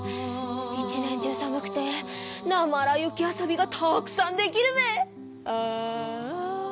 一年中さむくてなまら雪遊びがたくさんできるべ！